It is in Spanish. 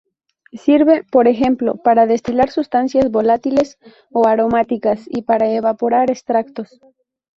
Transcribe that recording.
Sirve, por ejemplo, para destilar sustancias volátiles o aromáticas y para evaporar extractos.